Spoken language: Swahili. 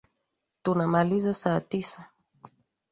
Tunamaliza saa tisa